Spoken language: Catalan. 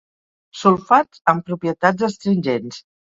Sulfats amb propietats astringents.